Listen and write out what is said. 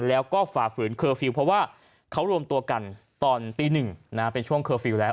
แล้วก็ฝ่าฝืนเคอร์ฟิลล์เพราะว่าเขารวมตัวกันตอนตีหนึ่งเป็นช่วงเคอร์ฟิลล์แล้ว